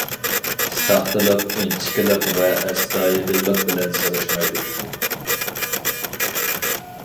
ساختىلىق ئىنچىكىلىك ۋە ئەستايىدىللىق بىلەن سىغىشمايدۇ.